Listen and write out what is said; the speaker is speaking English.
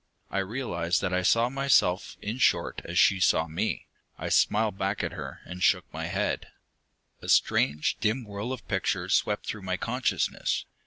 I realized that I saw myself, in short, as she saw me. I smiled back at her, and shook my head. A strange, dim whirl of pictures swept through my consciousness.